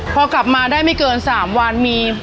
พอกลับมาได้ไม่เกิน๓วันมี